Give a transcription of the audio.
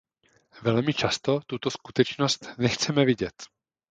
Velmi často tuto skutečnost nechceme vidět.